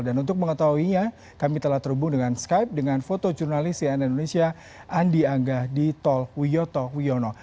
dan untuk mengetahuinya kami telah terhubung dengan skype dengan foto jurnalisian indonesia andi angga di tol wiyoto wiono